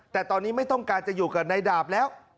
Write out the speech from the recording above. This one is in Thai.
แต่ตอนนี้ไม่ต้องการจะอยู่กับนายดาบแล้ว